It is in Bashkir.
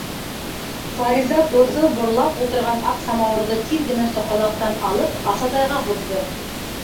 Фариза боҫо борлап ултырған аҡ самауырҙы тиҙ генә соҡалаҡтан алып Асатайға һуҙҙы.